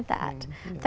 và vui vẻ